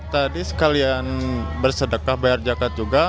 tadi sekalian bersedekah bayar zakat juga